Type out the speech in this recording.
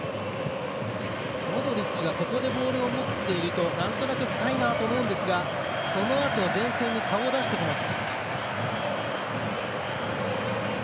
モドリッチがここでボールを持っているとなんとなく深いなと思うんですがそのあと前線に顔を出してきます。